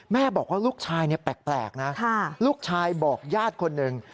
แม่บอกว่าลูกชายแปลกนะลูกชายบอกญาติคนหนึ่ง